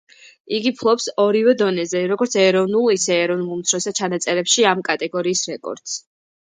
იგი ფლობს ორივე დონეზე, როგორც ეროვნულ, ისე ეროვნულ უმცროსთა ჩანაწერებში ამ კატეგორიის რეკორდს.